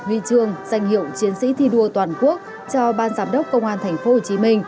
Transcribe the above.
huy chương danh hiệu chiến sĩ thi đua toàn quốc cho ban giám đốc công an tp hcm